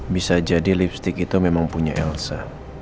bisa jadi lipstick itu memang punya elsa